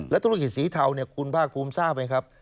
แล้วธุรกิจสีเทาคุณพ่อคุมทราบไหมครับ